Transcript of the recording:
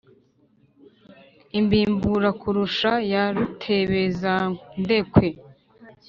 Imbimbura kurusha ya Rutebezandekwe